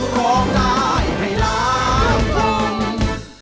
พร้อมได้ให้รัก